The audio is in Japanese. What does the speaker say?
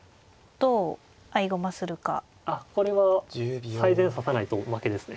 これは最善指さないと負けですね。